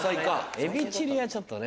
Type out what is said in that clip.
エビチリはちょっとね。